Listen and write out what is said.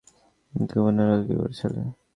রাতে ঘুমানোর আগে কি করেছিলি?